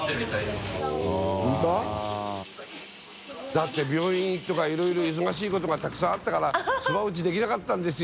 「だって病院とかいろいろ忙しいことが燭気鵑△辰燭そば打ちできなかったんですよ」